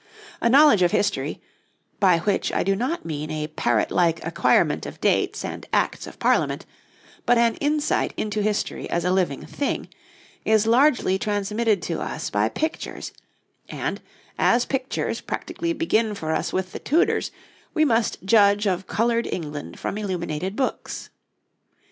A knowledge of history by which I do not mean a parrot like acquirement of dates and Acts of Parliament, but an insight into history as a living thing is largely transmitted to us by pictures; and, as pictures practically begin for us with the Tudors, we must judge of coloured England from illuminated books.